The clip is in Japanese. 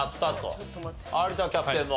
あっ有田キャプテンも。